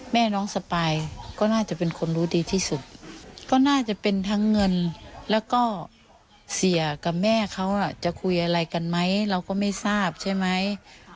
แม่น้องสปายก็น่าจะเป็นคนรู้ดีที่สุดก็น่าจะเป็นทั้งเงินแล้วก็เสียกับแม่เขาจะคุยอะไรกันไหมเราก็ไม่ทราบใช่ไหม